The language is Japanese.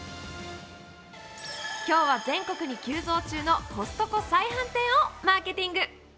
今日は全国に急増中のコストコ再販店をマーケティング。